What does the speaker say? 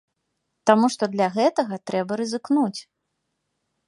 Таму што для гэтага трэба рызыкнуць.